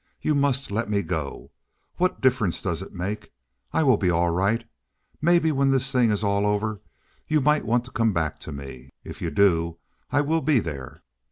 "You must let me go. What difference does it make? I will be all right. Maybe, when this thing is all over you might want to come back to me. If you do, I will be there."